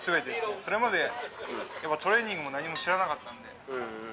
それまでやっぱりトレーニングも何も知らなかったんで。